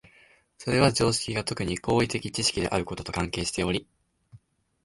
それは常識が特に行為的知識であることと関係しており、